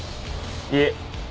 いえ。